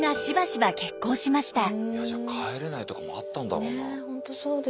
じゃあ帰れないとかもあったんだろうな。